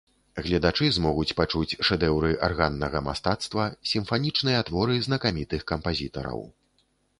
Гледачы змогуць пачуць шэдэўры арганнага мастацтва, сімфанічныя творы знакамітых кампазітараў.